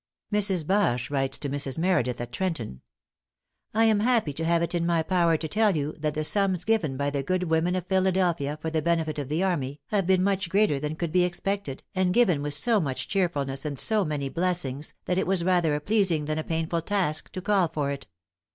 Mrs. Bache writes to Mrs. Meredith at Trenton; "I am happy to have it in my power to tell you that the sums given by the good women of Philadelphia for the benefit of the army have been much greater than could be expected, and given with so much cheerfulness and so many blessings, that it was rather a pleasing than a painful task to call for it.